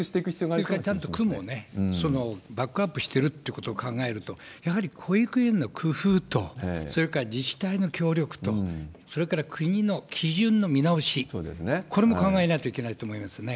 それからちゃんと区もね、バックアップしてるってことを考えると、やはり保育園の工夫と、それから自治体の協力と、それから国の基準の見直し、これも考えないといけないと思いますよね。